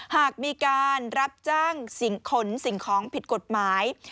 หากมีการรับจ้างสิ่งขนสิ่งของผิดกฎหมาย